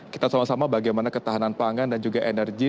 kita sama sama bagaimana ketahanan pangan dan juga energi